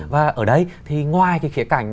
và ở đây thì ngoài cái khía cảnh